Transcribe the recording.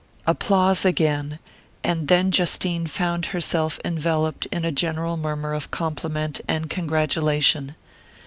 Applause again and then Justine found herself enveloped in a general murmur of compliment and congratulation.